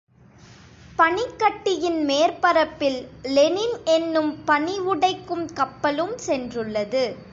பனிக்கட்டியின் மேற்பரப்பில் லெனின் என்னும் பனி உடைக்கும் கப்பலும் சென்றுள்ளது.